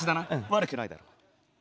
悪くないだろう。